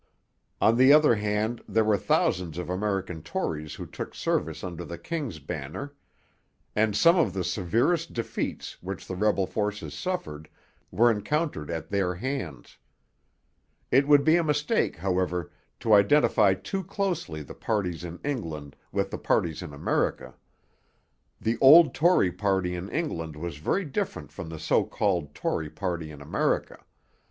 On the other hand there were thousands of American Tories who took service under the king's banner; and some of the severest defeats which the rebel forces suffered were encountered at their hands. It would be a mistake, however, to identify too closely the parties in England with the parties in America. The old Tory party in England was very different from the so called Tory party in America.